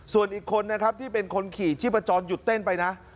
ส่วนอีกคนนะครับที่เป็นคนขี่ชีพจรหยุดเต้นไปนะ